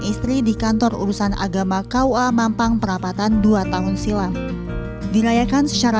istri di kantor urusan agama kua mampang perapatan dua tahun silam dirayakan secara